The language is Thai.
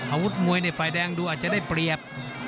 อาวุธมวยในฝ่ายแดงดูอาจจะได้เปรียบ